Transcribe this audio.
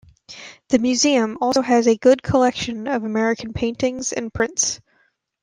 The museum also has a good collection of American paintings and prints.